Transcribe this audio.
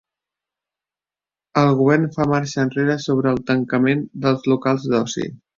El govern fa marxa enrere sobre el tancament dels locals d'oci.